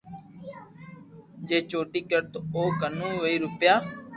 جي چوٽي ڪرتو او ڪنو وھي روپيہ